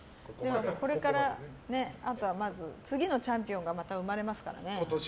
これから、あとはまず次のチャンピオンがまた生まれますからね。